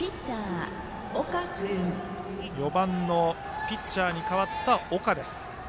４番のピッチャーに代わった岡です。